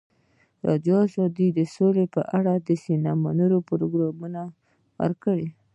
ازادي راډیو د سوله په اړه د سیمینارونو راپورونه ورکړي.